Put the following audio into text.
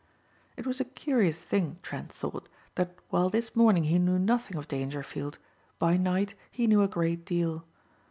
It was a curious thing, Trent thought, that while this morning he knew nothing of Dangerfield, by night he knew a great deal.